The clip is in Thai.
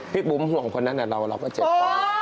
พี่บุ๋มห่วงคนนั้นแล้วเราก็เจ็บ